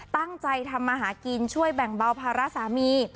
ตั้งใจทำมาหากินช่วยแบ่งเบาภาระสามี